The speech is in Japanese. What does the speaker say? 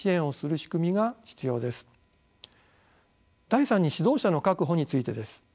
第三に指導者の確保についてです。